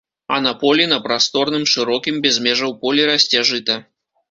А на полі, на прасторным, шырокім, без межаў полі расце жыта.